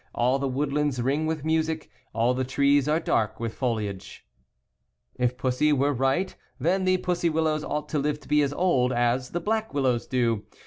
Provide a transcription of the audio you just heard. All the woodlands ring with music, All the trees are dark with foliagCc If Pussy were right then the pussy willows ought to live to be old as the black wil lows do.